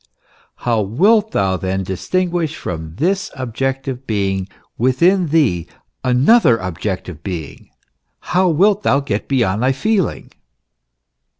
How wilt thou then distinguish from this objective being within thee another objec tive being? how wilt thou get beyond thy feeling?